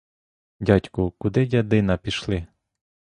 Дядьку, куди дядина пішли?